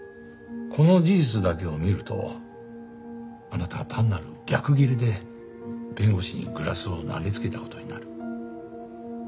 この事実だけを見るとあなたは単なる逆ギレで弁護士にグラスを投げつけた事になる。